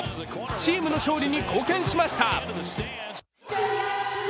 チームの勝利に貢献しました。